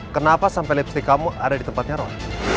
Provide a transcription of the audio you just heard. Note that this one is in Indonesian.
kenapa sampai lipstick kamu ada di tempatnya ron